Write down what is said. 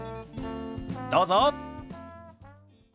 どうぞ。